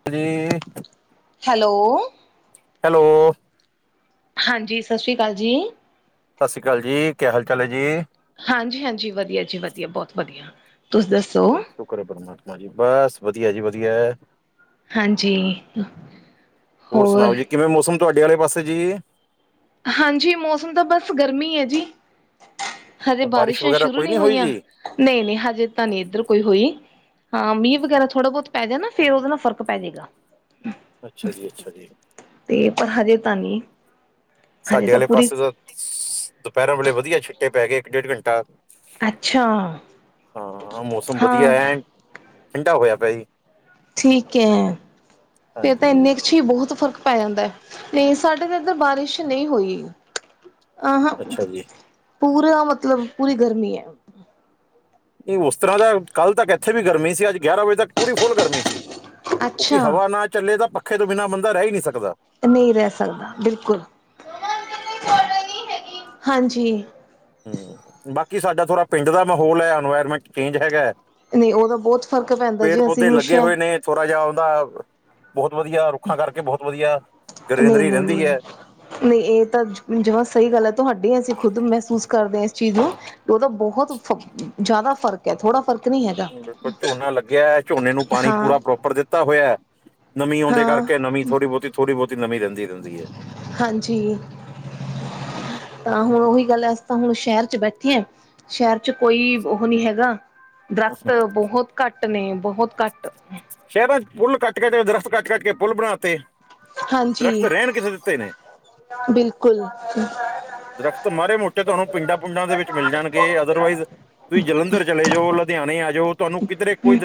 [unintelligible] Hello hello ਹਾਂਜੀ ਸਾਸ ਸ੍ਰੀ ਕਾਲ ਜੀ। ਸਾਸਰੀ ਕਾਲ ਜੀ, ਕੀ ਹਾਲ-ਚਾਲ ਐ ਜੀ? ਹਾਂਜੀ-ਹਾਂਜੀ ਵਧੀਆ ਜੀ ਵਧੀਆ ਬੋਤ ਵਧੀਆ ਤੁਸੀਂ ਦੱਸ? ਚਲੋ ਸ਼ੁਕਰ ਏ ਪਰਮਾਤਮਾ ਜੀ, ਬਸ ਵਧੀਆ ਜੀ ਵਧੀਆ। ਹਾਂਜੀ ਹੋਰ ਸੁਣਾਓ ਜੀ ਕਿਵੇਂ ਮੌਸਮ ਤੁਆਡੇ ਆਲੇ ਪਾਸੇ ਜੀ? ਹਾਂਜੀ ਮੌਸਮ ਤਾਂ ਬਸ ਗਰਮੀ ਐ ਜੀ, ਹਜੇ ਅੱਛਾ ਬਾਰਿਸ਼ ਬਾਰਿਸ਼ਾਂ ਵਗੈਰਾ ਸ਼ੁਰੂ ਕੋਈ ਨੀ ਨਹੀਂ ਹੋਈ ਹੋਈਆਂ। ਜੀ ਨਈ-ਨਈ ਹਜੇ ਤਾਂ ਨੀ ਐਧਰ ਕੋਈ ਹੋਈ। ਹਾਂ ਮੀਂ ਵਗੈਰਾ ਥੋੜ੍ਹਾ-ਬੋਤ ਪੈਜੇ ਨਾ ਫਿਰ ਓਦੇ ਨਾਲ਼ ਫਰਕ ਪੈ ਜੇਗਾ। ਅੱਛਾ ਜੀ-ਅੱਛਾ ਜੀ। ਪੇ ਤਾਂ ਹਜੇ ਤਾਂ ਨੀ। ਸਾਡੇ ਆਲੇ ਪਾਸੇ ਤਾਂ [unintelligible] ਦੋਪੈਰਾਂ ਵੇਲੇ ਵਧੀਆ ਛਿੱਟੇ ਪੈ ਗਏ ਇੱਕ-ਡੇਢ ਘੰਟਾ, ਅੱਛਾ ਹਾਂ ਮੌਸਮ ਵਧੀਆ ਹਾਂ ਐਨ ਠੰਡਾ ਹੋਯਾ ਪਯਾ ਜੀ। ਠੀਕ ਐ, ਫੇਰ ਤਾਂ ਹਾਂਜੀ ਐਨੇ ਚ ਚੀ ਬੋਹੁਤ ਫ਼ਰਕ ਪੈ ਜਾਂਦਾ ਨਈ ਸਾਡੇ ਤਾਂ ਐਧਰ ਬਾਰਿਸ਼ ਨਈ ਹੋਈ। ਆਹ ਹਾਂ, ਅੱਛਾ ਜੀ ਪੂਰਾ ਮਤਲਬ ਪੂਰੀ ਗਰਮੀ ਐ। ਓ ਉਸ ਤਰ੍ਹਾਂ ਦਾ ਕੱਲ੍ਹ ਤੱਕ ਇੱਥੇ ਵੀ ਗਰਮੀ ਸੀ ਅੱਜ ਗਿਆਰਾਂ ਵਜੇ ਤੱਕ ਪੂਰੀ ਫੁੱਲ ਗਰਮੀ ਸੀ। ਕਿਉਂਕਿ ਅੱਛਾ ਹਵਾ ਨਾ ਚੱਲੇ ਤਾਂ ਪੱਖੇ ਤੋਂ ਬਿਨਾਂ ਬੰਦਾ ਰਹਿ ਈ ਨੀ ਸਕਦਾ। ਨਈ ਰਹਿ ਸਕਦਾ ਬਿਲਕੁਲ, ਹਾਂਜੀ। ਹਮ, ਬਾਕੀ ਸਾਡਾ ਥੋਰਾ ਪਿੰਡ ਦਾ ਮਾਹੌਲ ਹੈ ਇਨਵਾਇਰਮੈਂਟ ਚੇਂਜ ਹੈਗਾ ਨਈ ਉਹਦਾ ਬਹੁਤ ਫ਼ਰਕ ਪੈਂਦਾ ਜੀ ਅਸੀਂ ਨੂੰ ਸ਼ ਥੋਰਾ ਜਿਆ ਉਹਦਾ ਬਹੁਤ ਵਧੀਆਂ ਰੁੱਖਾਂ ਕਰਕੇ ਬਹੁਤ ਵਧੀਆਂ ਗਰੀਨਰੀ ਰਹਿੰਦੀ ਐ ਨਈ ਇਹ ਤਾਂ ਜ ਜਮਾਂ ਸਹੀ ਗੱਲ ਐ ਤੁਹਾਡੀ ਅਸੀਂ ਖੁਦ ਮਹਿਸੂਸ ਕਰਦੇ ਆ ਇਸ ਚੀਜ਼ ਨੂੰ ਉਹਤਾ ਬਹੁਤ ਫ਼ ਜ਼ਿਆਦਾ ਫ਼ਰਕ ਐ ਥੋੜ੍ਹਾ ਫ਼ਰਕ ਨਹੀਂ ਹੈਗਾ ਬਿਲਕੁਲ ਝੋਨਾ ਲੱਗਿਆਂ ਏ ਝੋਨੇ ਨੂੰ ਪਾਣੀ ਹਾਂ ਪੂਰਾ ਪਰੋਪਰ ਦਿੱ ਤਾ ਹੋਇਆਂ ਨਮੀ ਆਉਂਦੇ ਹਾਂ ਕਰਕੇ ਨੀਂ ਥੋੜ੍ਹੀ ਬਹੁਤੀ- ਥੋੜ੍ਹੀ ਬਹੁਤੀ ਨਮੀ ਰਹਿੰਦੀ-ਰਹਿੰਦੀ ਐ ਹਾਂਜੀ ਤਾਂ ਹੋ ਉਹੀ ਗੱਲ ਐ ਤਾਂ ਹੁਣ ਸ਼ਹਿਰ ਚ ਬੈਠੇ ਆ ਸ਼ਹਿਰ ਚ ਕੋਈ ਓਹ ਨੀ ਹੈਗਾ ਦਰਖ਼ਤ ਬਹੁਤ ਘੱਟ ਨੇ ਬਹੁਤ ਘੱਟ ਸ਼ਹਿਰਾਂ ਚ ਪੁੱਲ ਕੱਟ ਕੇ ਦਰਖ਼ਤ ਕੱਟ-ਕੱਟ ਕੇ ਪੁੱਲ ਬਣਾ ਤੇ। ਹਾਂਜੀ ਈਨੇ ਕਿੱਥੇ ਦਿੱਤੇ ਨੇ। ਬਿਲਕੁਲ ਦਰਖ਼ਤ ਮਾੜੇ ਮੋਟੇ ਤੁਹਾਨੂੰ ਪਿੰਡਾਂ-ਪਿੰਡੋਂ ਦੇ ਵਿੱਚ ਮਿਲ ਜਾਣਗੇ ਅਦਰਵਾਈਜ਼ ਤੁਸੀਂ ਜਲੰਧਰ ਚਲੇ ਜਾਓ ਲ ਨੀ ਆਜੋ ਹ ਹੂੰ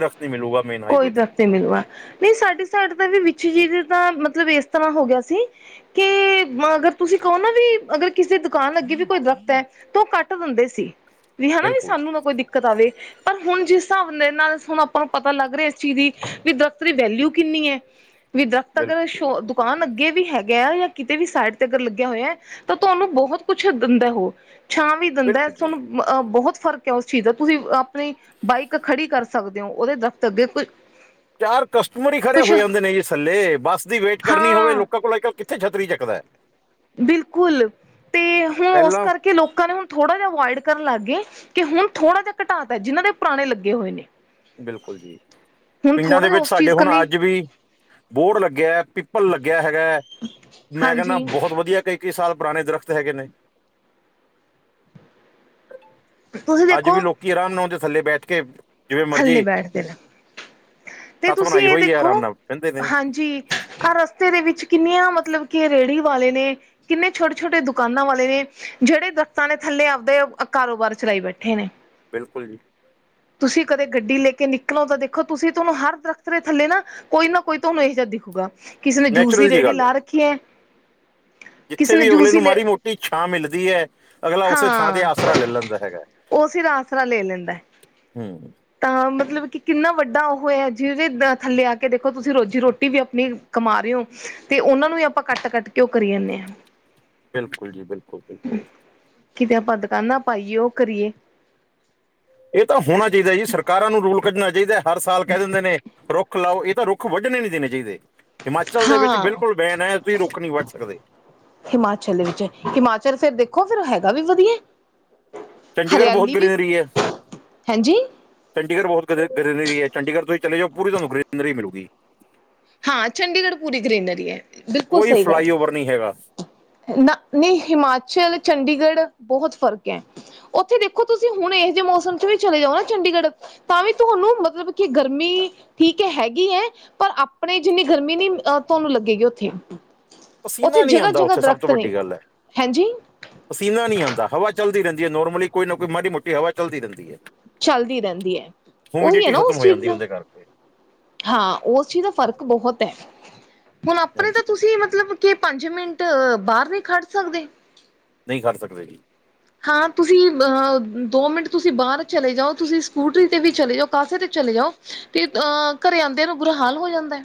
ਕੋਈ ਤੇ ਦਰਖ਼ਤ ਨੀ ਮਿਲੂਗਾ ਨੀ ਸਾਡੇ ਸਾਡੇ ਤਾਂ ਵੀ ਵਿੱਚ ਜੀ ਦਾ ਮਤਲਬ ਇਸ ਤਰ੍ਹਾਂ ਹੋ ਗਿਆ ਸੀ ਕਿ ਮਗਰ ਤੁਸੀਂ ਕਹੋ ਨਾ ਵੀ ਅਗਰ ਕਿਸੇ ਦੁਕਾਨ ਅੱਗੇ ਵੀ ਕੋਈ ਦਰਖ਼ਤ ਐ ਤਾਂ ਉਹ ਕੱਟ ਦਿੰਦੇ ਸੀ ਵੀ ਹਨਾ ਵੀ ਬਿਲਕੁਲ ਸਾਨੂੰ ਨਾ ਕੋਈ ਦਿੱਕਤ ਆਵੇ ਪਰ ਹੁਣ ਜਿਸ ਹਿਸਾਬ ਦੇ ਨਾਲ਼ ਹੁਣ ਆਪਾਂ ਨੂੰ ਪਤਾ ਲੱਗ ਰਿਹਾ ਇਸ ਚੀਜ਼ ਦੀ ਵੀ ਦਰਖ਼ਤ ਦੀ ਵੈਲਿਊ ਕਿੰਨੀ ਐ ਵੀ ਦਰਖ਼ਤ ਅਗਰ ਬਿਲਕੁਲ ਸ਼ੋ ਜੀ, ਦੁਕਾਨ ਬਿਲਕੁਲ ਅੱਗੇ ਵੀ ਹੈਗਾ ਯਾ ਕਿਤੇ ਵੀ ਸਾਈਡ ਤੇ ਅਗਰ ਲੱਗਿਆਂ ਹੋਇਆਂ ਤਾਂ ਤੁਹਾਨੂੰ ਬਹੁਤ ਕੁਛ ਦਿੰਦਾ ਉਹ ਛਾਂ ਵੀ ਦਿੰਦਾ ਬਿਲਕੁਲ ਜੀ ਸਾਨੂੰ ਮਅ ਬਹੁਤ ਫ਼ਰਕ ਐ ਉਸ ਚੀਜ਼ ਦਾ, ਤੁਸੀਂ ਆਪਣੀ ਬਾਈਕ ਖੜ੍ਹੀ ਕਰ ਸਕਦੇ ਓ ਉਹਦੇ ਦਰਖ਼ਤ ਅੱਗੇ ਕ ਚਾਰ ਕਸਟਮਰ ਈ ਖੜ੍ਹੇ ਹੋ ਜਾਂਦੇ ਨੇ ਜੀ ਥੱਲੇ, ਬੱਸ ਦੀ ਵੇਟ ਕਰਨੀ ਹੋਵੇ ਹਾਂ ਲੋਕਾਂ ਕੋਲ ਕ ਕਿੱਥੇ ਛੱਤਰੀ ਚੱਕਦਾ ਐ। ਬਿਲਕੁਲ ਤੇ ਹੁਣ ਉਸ ਪਹਿਲਾਂ ਕਰਕੇ ਲੋਕਾਂ ਨੂੰ ਥੋੜ੍ਹਾ ਜਿਹਾ ਅਵੋਇਡ ਕਰਨ ਲੱਗ ਗੇ। ਕਿ ਹੁਣ ਥੋੜਾ ਜਾ ਘਟਾ ਤਾ ਜਿਹਨਾਂ ਦੇ ਪੁਰਾਣੇ ਲੱਗੇ ਹੋਏ ਨੇ ਬਿਲਕੁਲ ਜੀ। ਹੁਣ ਪਿੰਡਾਂ ਦੇ ਥੋੜ੍ਹਾ ਜਿਹਾ ਵਿੱਚ ਉਸ ਸਾਡੇ ਚੀਜ਼ ਹੁਣ ਕੰਨੀ ਅੱਜ ਵੀ ਬੋਹੜ ਲੱਗਿਆ ਪਿੱਪਲ ਲੱਗਿਆ ਹੈਗਾ। ਮੈਂ ਕਹਿੰਨਾ ਹਾਂਜੀ ਬਹੁਤ ਵਧੀਆ ਕਈ-ਕਈ ਸਾਲ ਪੁਰਾਣੇ ਦਰੱਖ਼ਤ ਹੈਗੇ ਨੇ ਤੁਸੀਂ ਅੱਜ ਵੀ ਦੇਖੋ ਲੋਕੀ ਆਰਾਮ ਨਾਲ ਉਹਦੇ ਥੱਲੇ ਬੈਠ ਕੇ ਜਿਵੇਂ ਥੱਲੇ ਮਰਜ਼ੀ ਬੈਠ ਦੇਣ ਤੇ ਸੱਥ ਤੁਸੀਂ ਬਣਾਈ ਇਹ ਹੋਈ ਹੈ ਦੇਖੋ, ਆਰਾਮ ਨਾਲ ਕਹਿੰਦੇ ਨੇ ਹਾਂਜੀ। ਆਹ ਰਸਤੇ ਦੇ ਵਿੱਚ ਕਿੰਨੀਆਂ ਮਤਲਬ ਕਿ ਰੇਹੜੀ ਵਾਲੇ ਨੇ ਕਿੰਨੇ ਛੋਟੇ-ਛੋਟੇ ਦੁਕਾਨਾਂ ਵਾਲੇ ਨੇ ਜਿਹੜੇ ਦਰੱਖ਼ਤਾਂ ਦੇ ਥੱਲੇ ਆਪਦੇ ਕਾਰੋਬਾਰ ਚਲਾਈ ਬੈਠੇ ਨੇ। ਬਿਲਕੁਲ ਜੀ। ਤੁਸੀਂ ਕਦੇ ਗੱਡੀ ਲੈ ਕੇ ਨਿਕਲੋ ਤਾਂ ਦੇਖੋ ਤੁਸੀਂ ਤੁਹਾਨੂੰ ਹਰ ਦਰੱਖ਼ਤ ਦੇ ਥੱਲੇ ਨਾ ਕੋਈ ਨਾ ਕੋਈ ਤੁਹਾਨੂੰ ਇਹੋ ਜਾ ਦਿਖੂਗਾ ਕਿਸੇ ਨੇ ਜੂਸ ਦੀ ਨੈਚੁਰਲ ਜੀ ਰੇਹੜੀ ਗੱਲ ਹੈ ਲਾ ਰੱਖ ਛੇ [unintelligible] [inaudible] ਜਿੱਥੇ ਵੀ ਅਗਲੇ ਨੂੰ ਮਾੜੀ ਮੋਟੀ ਛਾਂ ਮਿਲਦੀ ਐ, ਅਗਲਾ ਉਸੇ ਥਾਂ ਤੇ ਹਾਂ ਆਸਰਾ ਲੈ ਲੈਂਦਾ ਹੈਗੈ। ਉਹ ਫਿਰ ਆਸਰਾ ਲੇ ਲੈਂਦੈ। ਹੂੰ। ਤਾਂ, ਮਤਲਬ ਕਿ, ਕਿੰਨਾ ਵੱਡਾ ਉਹ। ਹੋਇਆ ਜਿਦੇ ਥੱਲੇ ਆ ਕੇ ਦੇਖੋ, ਤੁਸੀਂ ਰੋਜ਼ੀ-ਰੋਟੀ ਵੀ ਆਪਣੀ ਕਮਾ ਰਹੇ ਓ ਤੇ ਉਨਾਂ ਨੂੰ ਵੀ ਆਪਾਂ ਕੱਟ-ਕੱਟ। ਕਿਉਂ ਕਰੀ ਜਾਨੇ ਆਂ? ਬਿਲਕੁਲ ਜੀ, ਬਿਲਕੁਲ, ਬਿਲਕੁਲ। ਕਿਤੇ ਆਪਾਂ ਦੁਕਾਨਾਂ ਪਾਈਏ, ਉਹ ਕਰੀਏ। ਇਹ ਤਾਂ ਹੋਣਾ ਚਾਹੀਦਾ ਏ ਜੀ, ਸਰਕਾਰਾਂ ਨੂੰ ਰੂਲ ਕੱਢਣਾ ਚਾਈਦੈ, ਹਰ ਸਾਲ ਕਹਿ ਦਿੰਦੇ ਨੇ ਰੁੱਖ ਰੁੱਖ ਲਾਓ, ਇਹ ਤਾਂ ਰੁੱਖ ਵੱਢਣੇ ਨੀ ਦੇਣੇ ਚਾਈਦੇ ਹਿਮਾਚਲ ਦੇ ਵਿੱਚ ਹਾਂ ਬਿਲਕੁਲ ਬੈਨ ਐ, ਤੁਸੀਂ ਰੁੱਖ ਨੀ ਵੱਢ ਸਕਦੇ। ਹਿਮਾਚਲ ਦੇ ਵਿੱਚ, ਹਿਮਾਚਲ ਫੇਰ ਦੇਖੋ ਫੇਰ ਹੈਗਾ ਵੀ ਵਧੀਐ। ਚੰਡੀਗੜ੍ਹ ਬਹੁਤ ਹਰਿਆਲੀ ਵੀ [inaudible] ਹੈਂ ਜੀ। ਚੰਡੀਗੜ ਬਹੁਤ [unintelligible] ਗ੍ਰਿਲਰੀ, ਚੰਡੀਗੜ ਤੁਸੀਂ ਚਲੇ ਜਾਓ ਪੂਰੀ ਤੁਹਾਨੂੰ [unintelligible] ਗ੍ਰਿਨਰੀ ਮਿਲੂਗੀ। ਹਾਂ, ਚੰਡੀਗੜ੍ਹ ਪੂਰੀ ਗਰੀਨਰੀ ਹੈ, ਬਿਲਕੁਲ ਕੋਈ ਸਹੀ ਗੱਲ। ਫਲਾਈਓਵਰ ਨਹੀਂ ਹੈਗਾ ਨਾ, ਨਹੀਂ ਹਿਮਾਚਲ, ਚੰਡੀਗੜ੍ਹ ਬਹੁਤ ਫ਼ਰਕ ਐ। ਉੱਥੇ ਦੇਖੋ ਤੁਸੀਂ, ਹੁਣ ਇਹੋ ਜਿਹੇ ਮੌਸਮ ਚ ਵੀ ਚਲੇ ਜਾਓ ਨਾ ਚੰਡੀਗੜ੍ਹ। ਤਾਂ ਵੀ ਤੁਹਾਨੂੰ ਮਤਲਬ, ਕਿ ਗਰਮੀ, ਠੀਕ ਏ, ਹੈਗੀ ਹੈ ਪਰ। ਆਪਣੇ ਜਿੰਨੀ ਗਰਮੀ ਨੀ, ਆ ਤੁਆਨੂੰ ਲੱਗੇਗੀ। ਉੱਥੇ। ਉੱਥੇ ਪਸੀਨਾ ਨਹੀਂ ਆਉਂਦਾ ਜਗ੍ਹਾ-ਜਗ੍ਹਾ ਉੱਥੇ ਸਭ ਤੋਂ ਦਰਖਤ ਵੱਡੀ ਨੇ, ਗੱਲ ਹੈ ਹੈਂ ਜੀ। ਪਸੀਨਾ ਨੀ ਆਂਦਾ, ਹਵਾ ਚੱਲਦੀ ਰੈਂਦੀ ਏ, ਨੋਰਮਲੀ ਕੋਈ ਨਾ ਕੋਈ ਮਾੜੀ ਮੋਟੀ ਹਵਾ ਚੱਲਦੀ ਰਹਿੰਦੀ ਏ। ਚੱਲਦੀ [unintelligible] ਰਹਿੰਦੀ ਹੈ ਉਹੀ ਹੈ ਹੀਊਮਡਿਟੀ ਨਾ ਖਤਮ ਉਸ ਹੋ ਚੀਜ਼ ਜਾਂਦੀ ਆ ਦਾ ਓਦੇ ਕਰਕੇ। ਹਾਂ, ਉਸ ਚੀਜ਼ ਦਾ ਫ਼ਰਕ ਬਹੁਤ ਹੈ, ਹੁਣ ਆਪਣੇ ਤਾਂ ਹਾਂਜੀ ਤੁਸੀਂ ਮਤਲਬ। ਕੀ ਪੰਜ ਮਿੰਟ, ਬਾਹਰ ਨਹੀਂ ਖੜ ਸਕਦੇ। ਨਹੀਂ ਖੜ ਸਕਦੇ, ਜੀ। ਹਾਂ ਤੁਸੀਂ, ਅਹ ਦੋ ਮਿੰਟ ਤੁਸੀਂ, ਬਾਹਰ ਚਲੇ ਜਾਓ, ਤੁਸੀਂ ਸਕੂਟਰੀ ਤੇ ਵੀ ਚਲੇ ਜਾਓ, ਕਾਸੇ ਤੇ ਚਲੇ ਜਾਓ ਤੇ, ਅਹ ਘਰੇ ਆਂਦਿਆਂ ਨੂੰ ਬੁਰਾ ਹਾਲ ਹੋ ਜਾਂਦੈ।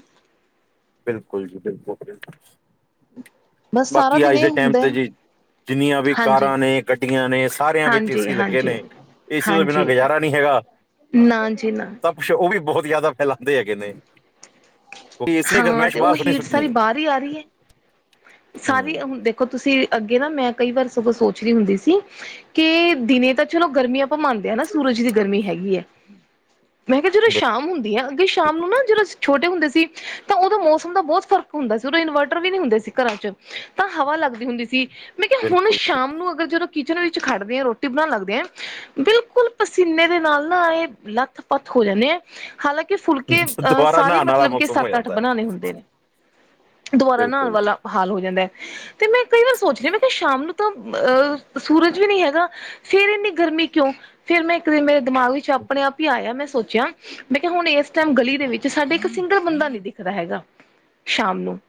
ਬਿਲਕੁਲ ਜੀ, ਬਿਲਕੁਲ, ਬਿਲਕੁਲ ਬਸ ਸਾਰਾ ਬਾਕੀ ਦਿਨ ਅੱਜ ਇਹ ਦੇ ਟੈਮ ਹੁੰਦਾ ਤੇ ਹੈ ਜੀ। ਜਿੰਨੀਆਂ ਵੀ ਹਾਂਜੀ ਕਾਰਾਂ ਨੇ, ਗੱਡੀਆਂ ਨੇ, ਸਾਰਿਆਂ ਵਿੱਚ ਹਾਂਜੀ ਏਸੀ ਲੱਗੇ ਹਾਂਜੀ ਨੇ। ਏੇਸੀ ਤੋਂ ਬਿਨਾ ਹਾਂਜੀ ਗੁਜ਼ਾਰਾ ਨੀ ਹੈਗਾ। ਨਾ ਜੀ ਨਾ। ਕੁਛ ਉਹ ਵੀ ਬਹੋਤ ਜਿਆਦਾ ਫੈਲਾਂਦੇ ਹੈਗੇ ਨੇ। [unintelligible] ਕੇ ਹਾਂ ਗਰਮਾਇਸ਼ ਤੇ ਬਾਹਰ ਉਹ ਥੋੜ੍ਹੀ ਹੀਟ ਸੁੱਟਣੀ ਸਾਰੀ ਏ। ਬਾਹਰ ਹੀ ਆ ਰਹੀ ਹੈ ਸਾਰੀ ਹੁਣ, ਦੇਖੋ ਤੁਸੀਂ, ਅੱਗੇ ਨਾ, ਮੈਂ ਕਈ ਵਾਰ ਸਗੋਂ ਸੋਚ ਰਈ ਹੁੰਦੀ ਸੀ। ਕਿ ਦਿਨੇ ਤਾਂ ਚਲੋ ਗਰਮੀ ਆਪਾਂ ਮੰਨਦੇ ਹਾਂ ਨਾ, ਸੂਰਜ ਦੀ ਗਰਮੀ ਹੈਗੀ ਹੈ। ਮੈਂ ਕਿਹਾ ਜਦੋਂ ਬਿਲ- ਸ਼ਾਮ ਹੁੰਦੀ ਆ, ਅੱਗੇ ਸ਼ਾਮ ਨੂੰ ਨਾ ਜਦੋਂ ਅਸੀ ਛੋਟੇ ਹੁੰਦੇ ਸੀ। ਤਾਂ ਉਦੋਂ ਮੌਸਮ ਦਾ ਬਹੁਤ ਫ਼ਰਕ ਹੁੰਦਾ ਸੀ, ਉਦੋਂ ਇਨਵਰਟਰ ਵੀ ਨੀ ਹੁੰਦੇ ਸੀ, ਘਰਾਂ 'ਚ, ਤਾਂ ਹਵਾ ਲੱਗਦੀ ਹੁੰਦੀ ਸੀ। ਮੈਂ ਕਿਹਾ ਹੁਣ ਬਿਲਕੁਲ ਸ਼ਾਮ ਨੂੰ, ਅਗਰ ਜਦੋਂ ਕਿਚਨ ਵਿੱਚ ਖੜਦੇ ਆ, ਰੋਟੀ ਬਣਾਉਣ ਲੱਗਦੇ ਆ। ਬਿਲਕੁਲ ਪਸੀਨੇ ਦੇ ਨਾਲ ਨਾ, ਆਂਏ ਲੱਥ-ਪੱਥ ਹੋ ਜਾਂਨੇ ਆ, ਹਾਲਾਂਕਿ ਫੁਲਕੇ ਅਹ ਦੁਬਾਰਾ ਸਾਰੇ, ਨਹਾਉਣ ਵਾਲਾ ਮਤਲਬ ਕਿ ਮੌਸਮ ਹੋ ਸੱਤ-ਅੱਠ ਜਾਂਦਾ ਹੈ ਬਣਾਣੇ ਹੁੰਦੇ ਨੇ, ਦੁਬਾਰਾ ਨਹਾਣ ਬਿਲਕੁਲ ਜੀ ਵਾਲਾ ਹਾਲ ਹੋ ਜਾਂਦਾ ਏ, ਤੇ ਮੈਂ ਕਈ ਵਾਰ ਸੋਚਦੀ ਅ, ਮੈਂ ਕਿਹਾ ਸ਼ਾਮ ਨੂੰ ਤਾਂ ਅਹ ਸੂਰਜ ਵੀ ਨੀ ਹੈਗਾ। ਫੇਰ ਇੰਨੀ ਗਰਮੀ ਕਿਉਂ? ਫੇਰ ਮੈਂ ਇੱਕ ਦਿਨ ਮੇਰੇ ਦਿਮਾਗ ਵਿੱਚ ਆਪਣੇ-ਆਪ ਈ ਆਇਆ, ਮੈਂ ਸੋਚਿਆ। ਮੈਂ ਕਿਹਾ ਹੁਣ ਇਸ ਟੈਮ ਗਲੀ ਦੇ ਵਿੱਚ, ਸਾਡੇ ਇੱਕ ਸਿੰਗਲ ਬੰਦਾ ਨੀ ਦਿਖਦਾ ਹੈਗਾ, ਸ਼ਾਮ ਨੂੰ।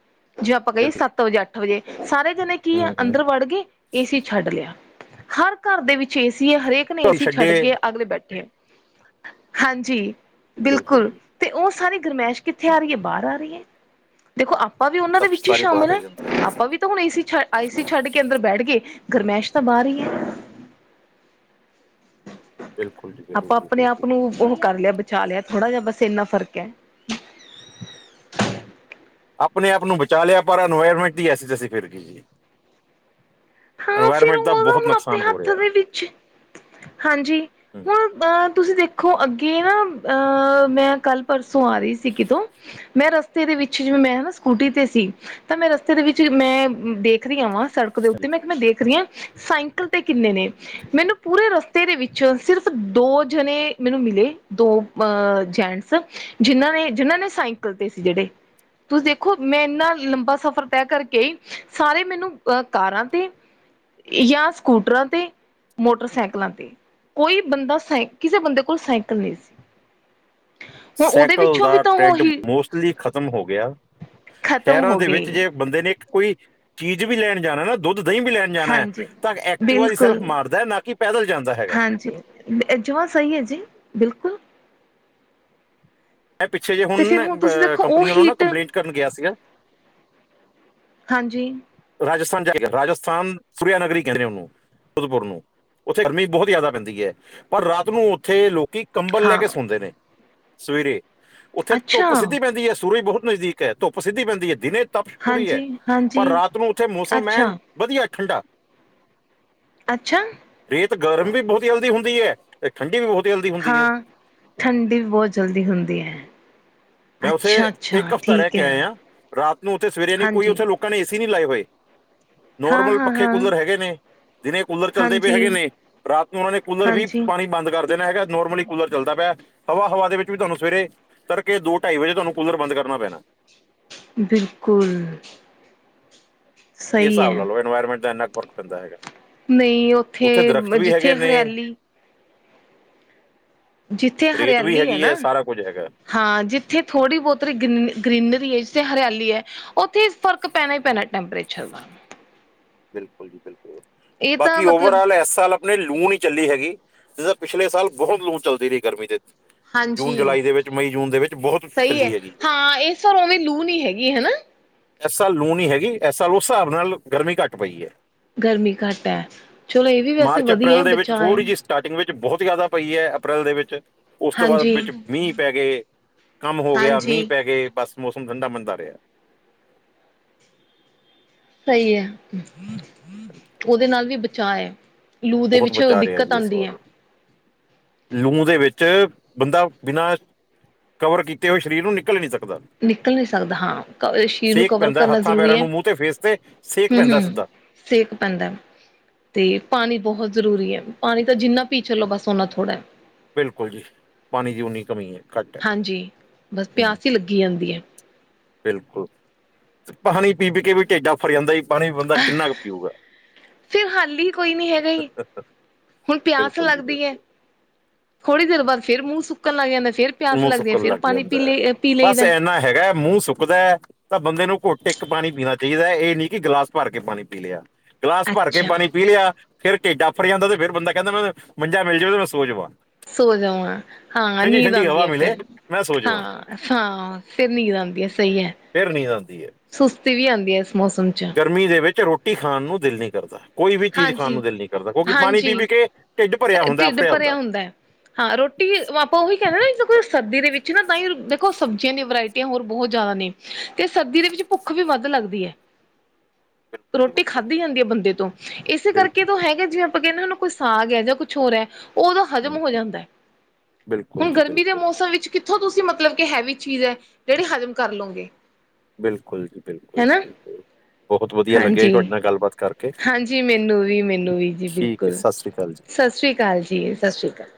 ਜੇ ਆਪਾਂ ਕਹੀਏ ਬਿਲਕੁਲ ਸੱਤ ਵਜੇ, ਅੱਠ ਵਜੇ, ਸਾਰੇ ਜਣੇ ਕੀ ਆ ਹੂੰ ਹੂੰ ਅੰਦਰ ਵੜ ਗੇ। ਏ ਸੀ ਛੱਡ ਲੇਆ। ਹਰ ਘਰ ਦੇ ਵਿੱਚ ਏ ਸੀ ਐ। ਹਰੇਕ ਨੇ ਏ ਧੁੱਪ ਸੀ ਛੱਡ ਛੱਡੇ ਕੇ ਅਗਲੇ ਬੈਠੇ ਐ। ਹਾਂਜੀ, ਬਿਲਕੁਲ ਤੇ ਓ ਸਾਰੀ ਗਰਮੈਸ਼ ਕਿੱਥੇ ਆ ਹੂੰ, ਰੀ ਏ, ਬਾਰ ਆ ਰੀ ਏ। ਦੇਖੋ ਆਪਾਂ ਵੀ ਓਨਾਂ ਦੇ ਤਪਸ਼ ਵਿੱਚ ਈ ਸਾਰੀ ਬਾਹਰ ਸ਼ਾਮਿਲ ਰਹਿ ਐਂ। ਜਾਂਦੀ ਹੈ ਆਪਾਂ ਵੀ ਤਾਂ ਹੁਣ ਏ ਸੀ ਆਏ ਸੀ। ਛੱਡ ਕੇ ਅੰਦਰ ਬੈਠ ਗੇ ਗਰਮੈਸ਼ ਤਾਂ ਬਾਰ ਈ ਐ। ਬਿਲਕੁਲ ਜੀ ਬਿਲਕੁਲ ਆਪਾਂ ਬਿਲਕੁਲ ਅਪਣੇ-ਆਪ ਬਿਲਕੁਲ। ਨੂੰ ਓ ਕਰ ਲੇਆ ਬਚਾ ਲੇਆ ਥੋੜਾ ਜਾ, ਬਸ ਏਨਾ ਫ਼ਰਕ ਐ। ਅਪਣੇ ਆਪ ਨੂੰ ਬਚਾ ਲੇਆ ਪਰ ਇਨਵਾਇਰਮੈਂਟ ਦੀ ਐਸੀ ਤੈਸੀ ਫਿਰ ਗੀ ਜੀ। ਹਾਂ ਫਿਰ ਦਾ ਓ ਤਾਂ ਬਹੁਤ ਹੁਣ ਅਪਣੇ ਨੁਕਸਾਨ ਹੋ ਹੱਥ ਰਿਹਾ ਹੈ ਦੇ ਵਿੱਚ ਏ। ਹਾਂਜੀ। ਹਾਂ ਹੂੰ। ਅ ਤੁਸੀ ਦੇਖੋ ਅੱਗੇ ਨਾ ਅ ਮੈਂ ਕੱਲ-ਪਰਸੋਂ ਆ ਰੀ ਸੀ ਕਿਤੋਂ ਮੈਂ ਰਸਤੇ ਦੇ ਵਿੱਚ ਵੀ ਮੈਂ ਨਾ ਸਕੂਟੀ ਤੇ ਸੀ। ਤਾਂ ਮੈਂ ਰਸਤੇ ਦੇ ਵਿੱਚ ਮੈਂ ਦੇਖਰੀ ਆ ਵਾਂ ਸੜਕ ਦੇ ਉੱਤੇ ਮੈਂ ਕ ਮੈਂ ਦੇਖਰੀ ਆਂ ਸਾਈਕਲ ਤੇ ਕਿੰਨੇ ਨੇ? ਮੈਨੂੰ ਪੂਰੇ ਰਸਤੇ ਦੇ ਵਿੱਚ, ਸਿਰਫ ਦੋ ਜਨੇ ਮੈਨੂੰ ਮਿਲੇ। ਦੋ ਅ ਜੈਂਟਸ ਜਿਨਾਂ ਨੇ, ਜਿਨਾਂ ਨੇ ਸਾਈਕਲ ਤੇ ਸੀ ਜੇੜੇ। ਤੁਸੀ ਦੇਖੋ ਮੈਂ ਇੰਨਾ ਲੰਬਾ ਸਫ਼ਰ ਤੈ ਕਰਕੇਈ ਸਾਰੇ ਮੈਨੂੰ ਅ ਕਾਰਾਂ ਤੇ ਯਾਂ ਸਕੂਟਰਾਂ ਤੇ, ਮੋਟਰਸੈਕਲਾਂ ਤੇ। ਕੋਈ ਬੰਦਾ ਸਾਈ, ਕਿਸੇ ਬੰਦੇ ਕੋਲ ਸੈਕਲ ਨੀਸੀ। ਸੈਕਲ ਵੀ ਦਾ ਤਾਂ ਟਰੈਂਡ ਉਹੀ ਮੋਸਟਲੀ ਖਤਮ ਹੋ ਗੇਆ, ਖ਼ਤਮ ਸ਼ੈਰਾਂ ਹੋ ਦੇ ਵਿੱਚ ਗਏ ਜੇ ਬੰਦੇ ਨੇ ਏਕ ਕੋਈ ਚੀਜ ਵੀ ਲੈਣ ਜਾਣਾ ਨਾ ਦੁੱਧ ਦਈਂ ਵੀ ਲੈ ਣ ਜਾਣੈ ਹਾਂਜੀ ਤਾਂ ਐਕਟਿਵਾ ਦੀ ਸੈਲਫ ਬਿਲਕੁਲ ਮਾਰਦੈ ਨਾ ਕੀ ਪੈਦਲ ਜਾਂਦਾ ਹੈਗੈ। ਐ ਜਵਾਂ ਸਈਐ ਜੀ, ਬਿਲਕੁਲ। ਮੈਂ ਪਿੱਛੇ ਜੇ ਤੇ ਫਿਰ ਹੁਨ ਹੁਣ ਬ ਤੁਸੀਂ ਦੇਖੋ ਉਹ ਕੰਪਨੀ ਵਲੋਂ ਨਾ ਹੀਟ ਕੰਪਲੇਂਟ ਕਰਨ ਗੇਆ ਸੀਗਾ ਹਾਂਜੀ। ਰਾਜਸਥਾਨ ਜਾਈਦਾ ਰਾਜਸਥਾਨ ਸੁਰੇਆ ਨਗਰੀ ਕੇਂਦੇ ਓਨੂੰ। ਪੁਰ ਨੂੰ। ਓਥੇ ਗਰਮੀ ਬੋਤ ਜਾਦਾ ਪੈਂਦੀ ਐ। ਪਰ ਰਾਤ ਨੂੰ ਓਥੇ ਲੋਕੀ ਕੰਬਲ ਲੈ ਹਾਂ ਕੇ ਸੌਂਦੇ ਨੇ ਸਵੇਰੇ। ਓਥੇ ਅੱਛਾ ਧੁੱਪ ਸਿੱਧੀ ਪੈਂਦੀ ਐ ਸੂਰਜ ਬੋਹਤ ਨਜ਼ਦੀਕ ਐ। ਧੁੱਪ ਸਿੱਧੀ ਪੈਂਦੀ ਐ। ਦਿਨੇ ਤਪਸ਼ ਪੂਰੀ ਐ, ਹਾਂਜੀ ਪਰ ਹਾਂਜੀ ਰਾਤ ਨੂੰ ਓਥੇ ਮੋਸਮ ਐਨ ਅੱਛਾ ਵਧੀਆ ਠੰਡਾ। ਅੱਛਾ! ਰੇਤ ਗਰਮ ਵੀ ਬੋਹਤ ਜਲਦੀ ਹੁੰਦੀ ਐ ਤੇਠੰਡੀ ਵੀ ਬੋਤ ਜਲਦੀ ਹੁੰਦੀ ਹੈ ਹਾਂ, ਠੰਡੀ ਵੀ ਬੌਤ ਜਲਦੀ ਹੁੰਦੀ ਐ। ਮੈਂ ਓਥੇ ਏਕ ਹਫ਼ਤਾ ਰੈ ਠੀਕ ਕੇ ਹੈ ਆਏਆਂ ਰਾਤ ਨੂੰ ਓਥੇ ਸਵੇਰੇ ਨੀ ਕੋਈ ਹਾਂਜੀ ਓਥੇ ਲੋ ਕਾਂ ਨੇ ਏ ਸੀ ਨੀ ਲਾਏ ਹੋਏ। ਹਾਂ ਨੋਰਮਲ ਹਾਂ ਪੱਖੇ ਹਾਂ ਕੂਲਰ ਹੈਗੇ ਨੇ। ਦਿਨੇ ਕੂਲਰ ਚੱਲਦੇ ਪੇ ਹਾਂਜੀ ਹੈਗੇ ਨੇ ਰਾਤ ਨੂੰ ਓਨਾਂ ਨੇ ਕੂਲਰ ਵੀ ਹਾਂਜੀ ਪਾਣੀ ਬੰਦ ਕਰ ਦੇਣਾ ਹੈਗਾ ਨੋਰਮਲੀ ਕੂਲਰ ਚੱਲਦਾ ਪਿਐ ਹਵਾ ਹਵਾ ਦੇ ਵਿੱਚ ਵੀ ਧੋਆਨੂੰ ਸਵੇਰੇ ਤਰਕੇ ਦੋ ਢਾਈ ਵਜੇ ਧੋਆਨੂੰ ਕੂਲਰ ਬੰਦ ਕਰਨਾ ਪੈਣਾ। ਬਿਲਕੁਲ। ਏ ਸਹੀ ਸਾਬ ਲਾ ਹੈ ਲੋ ਇਨਵਾਇਰਮੈਂਟ ਦਾ ਏਨਾ ਕ ਫਰਕ ਪੈਂਦਾ ਹੈਗੈ। ਨਈ ਓਥੇ ਬ ਜਿੱਥੇ ਨੇ ਹਰਆਲੀ ਜਿੱਥੇ ਰੇਤ ਵੀ ਹਰਆਲੀ ਐ ਹੈਗੀ ਨਾ ਹੈ ਸਾਰਾ ਕੁਝ ਹੈਗਾ ਹਾਂ ਜਿੱਥੇ ਥੋੜ੍ਹੀ ਬੋਤ ਰਿਗਨ ਗ੍ਰਰੀਨਰੀ ਐ ਜਿੱਥੇ ਹਰਆਲੀ ਐ ਓਥੇ ਫ਼ਰਕ ਪੈਨਾ ਈ ਪੈਨਾ ਟੈਂਪਰੇਚਰ ਦਾ। ਬਿਲਕੁਲ ਜੀ ਬਿਲਕੁਲ, ਇਹ ਤਾਂ ਬਾਕੀ ਮਤਲਬ ਓਵਰਆਲ ਐਸ ਸਾਲ ਅਪਨੇ ਲੂੰ ਨੀ ਚੱਲੀ ਹੈਗੀ ਜਿਸਾਂ ਪਿਛਲੇ ਸਾਲ ਬੋਹ ਲੂ ਚਲਦੀ ਰਈ ਗਰਮੀ ਦੇ ਵਿ ਜੂਨ ਹਾਂਜੀ ਜਲਾਈ ਦੇ ਵਿੱਚ ਮਈ ਜੂਨ ਦੇ ਵਿੱਚ ਬੋਹਤ ਸਹੀ ਹੈ ਚੱਲੀ ਐਗੀ। ਹਾਂ ਇਸ ਵਾਰ ਉਵੇਂ ਲੂ ਨਹੀਂ ਹੈਗੀ ਹਨਾ ਐਸਾਲ ਲੂ ਨੀ ਹੈਗੀ। ਐਸਾਲ ਓਸ ਸਾਬ ਨਾਲ ਗਰਮੀ ਘੱਟ ਪਈ ਐ। ਗਰਮੀ ਘੱਟੈ। ਚਲੋ ਏਵੀ ਵੈਸੇ ਵਧੀਐ ਬਚਾਅ ਐ। ਸਟਾਟਿੰਗ ਵਿੱਚ ਬਹੁਤ ਜਾ਼ਦਾ ਪਈ ਐ ਅਪ੍ਰੈਲ ਦੇ ਵਿੱਚ ਓਸ ਤੋਂ ਬਾਅਦ ਹਾਂਜੀ ਵਿੱਚ ਮੀਂਹ ਪੈਗੇ ਕੰਮ ਹੋ ਗਿਆ ਹਾਂਜੀ ਮੀਂਹ ਪੈਗੇ ਬੱਸ ਮੋਸਮ ਠੰਡਾ ਮੰਦਾ ਰਿਆ। ਸਈ ਐ, ਉਦੇ ਨਾਲ ਵੀ ਬਚਾਅ ਐ। ਲੂ ਦੇ ਬਹੁਤ ਵਿੱਚ ਬਚਾ ਦਿੱਕਤ ਆਂਦੀ ਐ। ਲੂੰ ਦੇ ਵਿੱਚ ਬੰਦਾ ਬਿਨਾਂ ਕਵਰ ਕੀਤੇ ਓਏ ਸਰੀਰ ਨੂੰ ਨਿੱਕਲ ਨੀ ਸਕਦਾ। ਨਿੱਕਲ ਨੀਂ ਸਗਦਾ ਹਾਂ ਕ ਸਸੀ਼ਰ ਨੂੰ ਸੇਕ ਕਵਰ ਪੈਂਦਾ ਕਰਨਾ ਹੱਥਾਂ ਜ਼ਰੂਰੀ ਪੈਰਾਂ ਐ ਨੂੰ ਮੂੰਹ ਤੇ ਫੇਸ ਤੇ ਸੇਕ ਪੈਂਦਾ ਹੂੰ-ਹੂੰ। ਸਿੱਧਾ ਸੇਕ ਪੈਂਦੈ। ਤੇ ਪਾਣੀ ਬਹੁਤ ਜ਼ਰੂਰੀ ਐ ਪਾਣੀ ਤਾ ਜਿੰਨਾ ਪੀ ਚੱਲੋ ਬਸ ਓਨਾ ਥੋੜ੍ਹੈ। ਬਿਲਕੁਲ ਜੀ ਪਾਣੀ ਦੀ ਉਨੀ ਕਮੀ ਐ। ਹਾਂਜੀ, ਬਸ ਪਿਆਸ ਹੀ ਲੱਗੀ ਜਾਂਦੀ ਐ। ਬਿਲਕੁਲ, ਪਾਣੀ ਪੀ-ਪੀ ਕੇ ਵੀ ਢਿੱਡ ਆਫ਼ਰ ਜਾਂਦਾ ਜੀ। ਪਾਣੀ ਵੀ ਬੰਦਾ ਕਿੰਨਾ ਕੁ ਪੀਊਗਾ? ਫਿਰ ਹੱਲ ਹੀ ਕੋਈ ਨੀ ਹੈਗਾ ਹੀ, ਹੁਣ ਪਿਆਸ ਬਿਲਕੁਲ ਜੀ ਲੱਗਦੀ ਐ। ਬਿਲਕੁਲ ਥੋੜੀ ਦੇਰ ਬਾਦ ਫੇਰ ਮੂੰਹ ਸੁੱਕਣ ਲੱਗ ਜਾਂਦਾ ਫਿਰ ਪਿਆਸ ਮੂੰਹ ਲੱਗਦੀ ਹੈ ਸੁੱਕਣ ਫਿਰ ਲੱਗ ਪਾਣੀ ਜਾਂਦਾ ਪੀ ਐ ਲਈ ਪੀ ਬਸ ਲਈਦਾ ਇੰਨਾ ਹੈਗਾ ਮੂੰਹ ਸੁੱਕ ਸੁਕਦਾ ਤਾਂ ਬੰਦੇ ਨੂੰ ਘੁੱਟ ਇੱਕ ਪਾਣੀ ਪੀਣਾ ਚਾਹੀਦਾ ਇਹ ਨੀ ਕੀ ਗਿਲਾਸ ਭਰ ਕੇ ਪਾਣੀ ਪੀ ਲਿਆ। ਗਿਲਾਸ ਭਰ ਕੇ ਅੱਛਾ ਪਾਣੀ ਪੀ ਲਿਆ। ਫੇਰ ਢਿੱਡ ਆਫ਼ਰ ਜਾਂਦਾ ਤੇ ਫਿਰ ਬੰਦਾ ਕਹਿੰਦਾ ਮੈਂ ਮੰਜਾ ਮਿਲ ਜਾਵੇ ਮੈਂ ਸੋ ਜਾਵਾਂ। ਸੋ ਜਾਵਾਂ, ਹਾਂ ਠੰਡੀ ਨੀਂਦ ਠੰਡੀ ਹਵਾ ਆਂਦੀ ਮਿਲੇ ਫਿਰ ਮੈਂ ਸੋ ਜਾਵਾਂ ਹਾਂ-ਹਾਂ ਫਿਰ ਨੀਂਦ ਆਂਦੀ ਆ ਸਹੀ ਐ। ਫਿਰ ਨੀਂਦ ਆਂਦੀ ਐ। ਸੁਸਤੀ ਵੀ ਆਂਦੀ ਐ ਇਸ ਮੌਸਮ ਚ ਗਰਮੀ ਦੇ ਵਿੱਚ ਰੋ ਰੋਟੀ ਖਾਣ ਨੂੰ ਦਿਲ ਨੀ ਕਰਦਾ। ਕੋਈ ਵੀ ਚੀਜ਼ ਖਾਣ ਹਾਂਜੀ ਨੂੰ ਦਿਲ ਨੀ ਕਰਦਾ ਕਿਉਂਕਿ ਪਾਣੀ ਹਾਂਜੀ ਪੀ-ਪੀ ਕੇ ਢਿੱਡ ਭਰਿਆ ਹੁੰਦਾ ਢਿੱਡ ਆਫ਼ਰਿਆ ਭਰਿਆ ਹੁੰਦਾ। ਹੈ। ਹਾਂ ਰੋਟੀ ਆਪਾਂ ਉਹੀ ਕਹਿੰਦੇ ਨਾ ਸਰਦੀ ਦੇ ਵਿੱਚ ਤਾਂ ਹੀ ਦੇਖੋ ਸ਼ਬਜੀਆਂ ਦੀ ਵਰਾਇਟੀ। ਤੇ ਹੋਰ ਬਹੁਤ ਜ਼ਿਆਦਾ ਨੇ ਤੇ ਸਰਦੀ ਦੇ ਵਿੱਚ ਭੁੱਖ ਵੀ ਵੱਧ ਲੱਗਦੀ ਐ। [inaudible] ਬਿਲਕੁਲ ਜੀ ਰੋਟੀ ਬਿਲਕੁਲ ਖਾਧੀ ਜਾਂਦੀ ਐ ਬੰਦੇ ਤੋਂ, ਇਸੇ ਕਰਕੇ ਜਦੋ ਬਿਲਕੁਲ ਹੈਗੇ ਜਿਵੇਂ ਆਪਾਂ ਕਹਿਨੇ ਹੂੰਦੇ ਕੋਈ ਸਾਗ ਹੈ ਜਾਂ ਕੁਛ ਹੋਰ ਹੈ। ਉਹਦਾ ਹੂੰ ਹਜ਼ਮ ਹੋ ਹੂੰ ਜਾਂਦਾ ਬਿਲਕੁਲ ਹੁਣ ਜੀ ਗਰਮੀ ਦੇ ਬਿਲਕੁਲ ਮੌਸਮ ਵਿੱਚ ਕਿੱਥੋਂ ਤੁਸੀਂ ਮਤਲਬ ਕਿ ਹੈਵੀ ਚੀਜ਼ ਐ ਜੇਹੜੀ ਹਜ਼ਮ ਕਰ ਲਉਗੇ। ਬਿਲਕੁਲ ਜੀ-ਬਿਲਕੁਲ ਜੀ-ਬਿਲਕੁਲ, ਬਹੁਤ ਵਧੀਆ ਲੱਗਿਆ ਜੀ ਹਾਂਜੀ। ਤੁਹਾਡੇ ਨਾਲ ਗੱਲਬਾਤ ਕਰਕੇ ਹਾਂਜੀ, ਮੈਨੂੰ ਵੀ ਮੈਨੂੰ ਵੀ ਜੀ ਠੀਕ ਹੈ ਬਿਲਕੁਲ, ਸਤਿ ਸ੍ਰੀ ਅਕਾਲ ਜੀ ਸ਼ਾਸਰੀ ਕਾਲ ਜੀ, ਸ਼ਾਸਰੀ ਕਾਲ।